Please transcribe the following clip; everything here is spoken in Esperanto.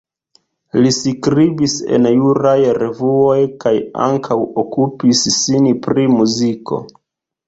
Li skribis en juraj revuoj kaj ankaŭ okupis sin pri muziko.